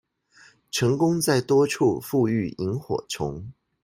成功在多處復育螢火蟲